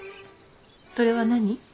それは何。